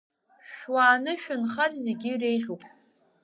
Шәуааны шәынхар, зегьы иреиӷьуп…